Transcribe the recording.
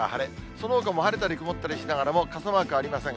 そのほかも晴れたり曇ったりしながらも、傘マークありません。